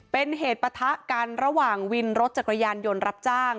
เป็นเหตุปะทะกันระหว่างวินรถจักรยานยนต์รับจ้าง